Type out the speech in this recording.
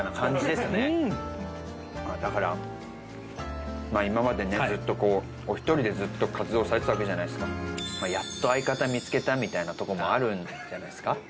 何かうんだからまあ今までねずっとこうお一人でずっと活動されてたわけじゃないですかみたいなとこもあるんじゃないですか？